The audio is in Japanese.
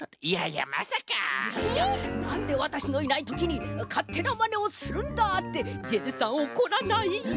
いやいや「なんでわたしのいないときにかってなまねをするんだ！」ってジェイさんおこらない？